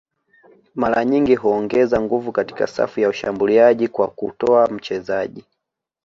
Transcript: mara nyingi huongeza nguvu katika safu ya ushambuliaji kwa kutoa mchezaji